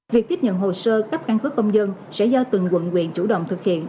việc tiếp nhận hồ sơ cấp căn cứ công dân sẽ do từng quận huyện chủ động thực hiện